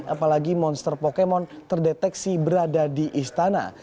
apalagi monster pokemon terdeteksi berada di istana